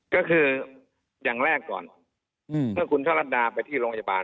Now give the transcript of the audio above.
ก็คืออย่างแรกก่อนเมื่อคุณชะลัดดาไปที่โรงพยาบาล